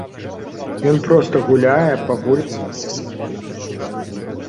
Ён проста гуляе па вуліцы са сваёй дачушкай.